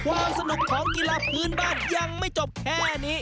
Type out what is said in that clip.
ความสนุกของกีฬาพื้นบ้านยังไม่จบแค่นี้